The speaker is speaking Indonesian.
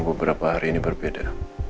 beberapa hari ini berbeda